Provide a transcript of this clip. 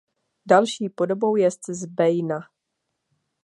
Další podobou jest Zbejna.